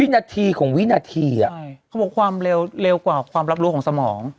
วินาทีของวินาทีเขาบอกความเร็วกว่าความรับรู้ของสมอง